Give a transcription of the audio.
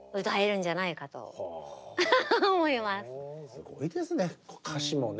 すごいですね歌詞もね。